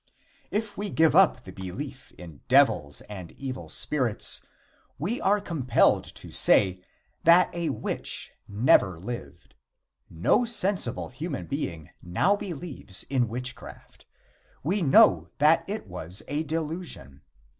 If we give up the belief in devils and evil spirits, we are compelled to say that a witch never lived. No sensible human being now believes in witchcraft. We know that it was a delusion.